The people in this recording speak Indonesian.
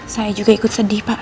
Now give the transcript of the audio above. saya juga ikut sedih pak